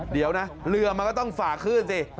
เดี๋ยวนะเรือมันก็ต้องฝ่าคลื่นสิ